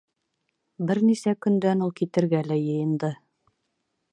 Бер нисә көндән ул китергә лә йыйынды.